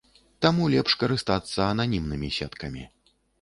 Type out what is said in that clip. Таму лепш карыстацца ананімнымі сеткамі.